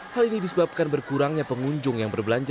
hal ini disebabkan berkurangnya pengunjung yang berbelanja